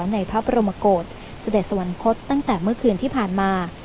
ในพระบรมกฏเสด็จสวรรคตตั้งแต่เมื่อคืนที่ผ่านมา